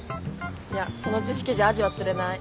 いやその知識じゃアジは釣れない。